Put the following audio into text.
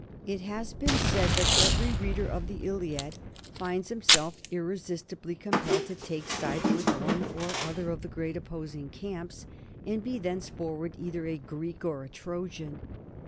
It has been said that every reader of the "Iliad" finds himself irresistibly compelled to take sides with one or other of the great opposing camps, and to be thenceforward either a Greek or a Trojan.